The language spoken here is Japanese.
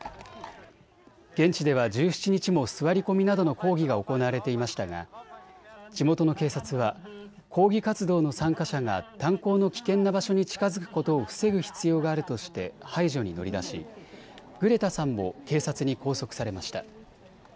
現地では１７日も座り込みなどの抗議が行われていましたが地元の警察は抗議活動の参加者が炭鉱の危険な場所に近づくことを防ぐ必要があるとして排除に乗り出しグレタさんも警察に拘束されました。